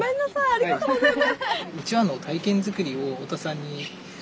ありがとうございます。